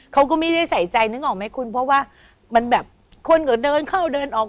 เขาก็ไม่ได้ใส่ใจนึกออกไหมคุณเพราะว่ามันแบบคนก็เดินเข้าเดินออก